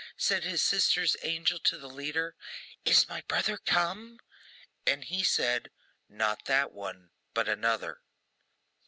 Said his sister's angel to the leader: 'Is my brother come?' And he said, 'Not that one, but another.